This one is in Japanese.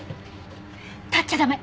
立っちゃ駄目。